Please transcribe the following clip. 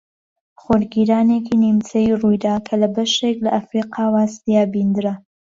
خۆرگیرانێکی نیمچەیی ڕوویدا کە لە بەشێک لە ئەفریقا و ئاسیا بیندرا